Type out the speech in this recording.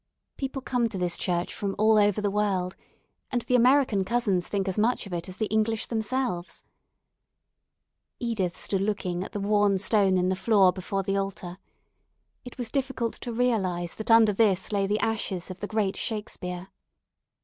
People come to this church from all over the world, and the American cousins think as much of it as the English themselves. Edith stood looking at the worn stone in the floor before the altar. It was difficult to realize that under this lay the ashes of the great Shakespeare.